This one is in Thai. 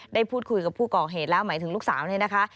ได้พูดคุยกับผู้ก่อเหตุแล้วหมายถึงลูกสาวเนี่ยนะคะ